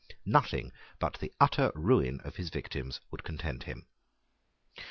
Nothing but the utter ruin of his victims would content him.